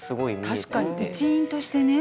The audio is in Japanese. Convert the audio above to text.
確かに一員としてね。